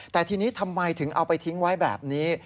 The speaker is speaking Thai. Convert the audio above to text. แต่ทีนี้ทำไมถึงเอาไปทิ้งไว้แบบนี้